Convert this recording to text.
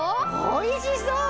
おいしそう！